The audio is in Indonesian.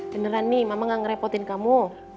beneran nih mama gak ngerepotin kamu